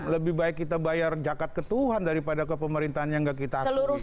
lebih baik kita bayar jakat ke tuhan daripada ke pemerintahannya yang gak kita akui